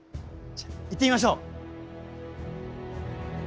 じゃあ行ってみましょう。